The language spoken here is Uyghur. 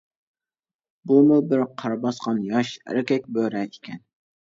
بۇمۇ بىر قار باسقان ياش ئەركەك بۆرە ئىكەن.